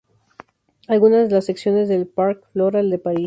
Algunas de las secciones del ""Parc Floral de Paris"".